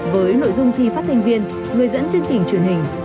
với nội dung thi phát thanh viên người dẫn chương trình truyền hình